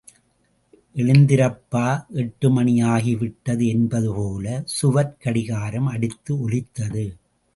எழுந்திரப்பா, எட்டு மணி ஆகி விட்டது, என்பது போல சுவர்க் கடிகாரம் அடித்து ஒலித்தது.